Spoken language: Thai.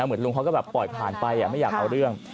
เหมือนลุงเขาก็แบบปล่อยผ่านไปไม่อยากเอาเรื่อง